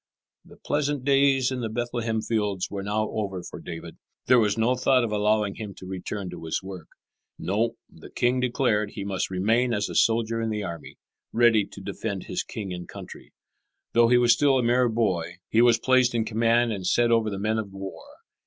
The pleasant days in the Bethlehem fields were now over for David. There was no thought of allowing him to return to his work. No, the king declared he must remain as a soldier in the army, ready to defend his king and country. Though he was still a mere boy he was placed in command and set over the men of war.